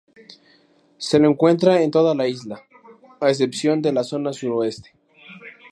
Se lo encuentra en toda la isla, a excepción de la zona suroeste.